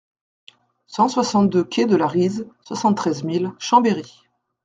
cent soixante-deux quai de la Rize, soixante-treize mille Chambéry